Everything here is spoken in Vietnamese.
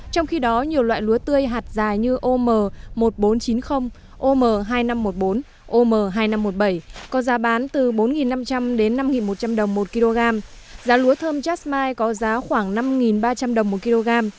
trong khi đó nhiều loại lúa tươi hạt dài như om một nghìn bốn trăm chín mươi om hai nghìn năm trăm một mươi bốn om hai nghìn năm trăm một mươi bảy có giá bán từ bốn năm trăm linh đến năm một trăm linh đồng một kg giá lúa thơm chatmile có giá khoảng năm ba trăm linh đồng một kg